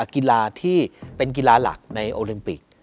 กีฬาที่เป็นกีฬาหลักในโอลิมปิก